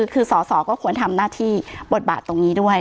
คือสอสอก็ควรทำหน้าที่บทบาทตรงนี้ด้วย